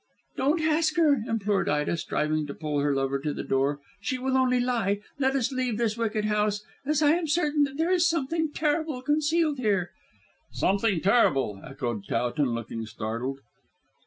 "Don't ask her," implored Ida, striving to pull her lover to the door, "she will only lie. Let us leave this wicked house, as I am certain that there is something terrible concealed here." "Something terrible," echoed Towton looking startled.